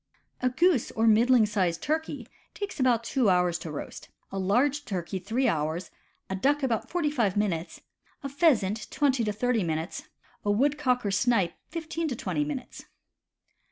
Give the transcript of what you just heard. A goose or a middling sized turkey takes about two hours to roast, a large turkey three hours, a duck about forty five minutes, a pheasant twenty to thirty minutes, a woodcock or snipe fifteen to twenty minutes.